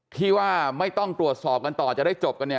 ที่ว่าไม่ต้องตรวจสอบกันต่อจะได้จบกันเนี่ย